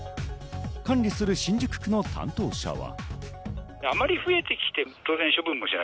管理する新宿区の担当者は。